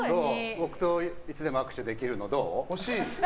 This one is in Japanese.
僕といつでも握手できるのどう？